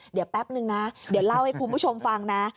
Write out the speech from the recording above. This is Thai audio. เดี๋ยวแป๊บนึงนะเดี๋ยวเล่าให้คุณผู้ชมฟังนะ